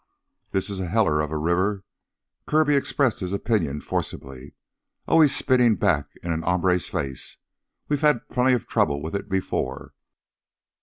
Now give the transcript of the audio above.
"This is a heller of a river," Kirby expressed his opinion forcibly. "Always spittin' back in an hombre's face. We've had plenty of trouble with it before."